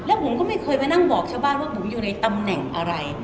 แล้วผมก็ไม่เคยมานั่งบอกชาวบ้านว่าผมอยู่ในตำแหน่งอะไร